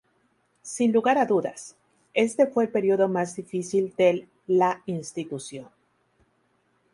Sin lugar a dudas, este fue el período más difícil del la institución.